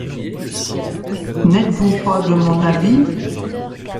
N’êtes-vous pas de mon avis?